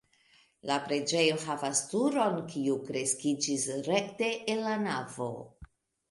La preĝejo havas turon, kiu kreskiĝis rekte el la navo.